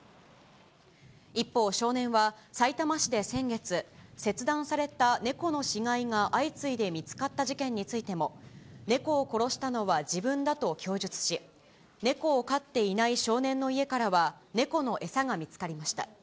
一方、少年はさいたま市で先月、切断された猫の死骸が相次いで見つかった事件についても、猫を殺したのは自分だと供述し、猫を飼っていない少年の家からは、猫の餌が見つかりました。